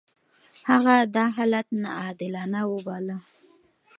هغه دا حالت ناعادلانه وباله.